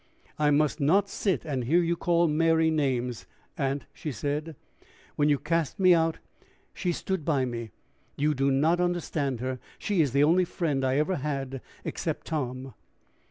"I must not sit and hear you call Mary names, aunt," she said. "When you cast me out, she stood by me. You do not understand her. She is the only friend I ever had except Tom."